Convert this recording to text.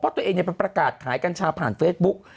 เพราะตัวเองยังเป็นปรากฏขายกัญชาผ่านเฟซบุ๊ก